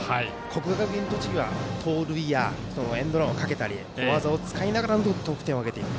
国学院栃木は盗塁や、エンドランをかけたり小技を使いながら得点を挙げていく。